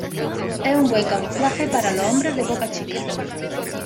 Es un buen camuflaje para los hombres de boca chica.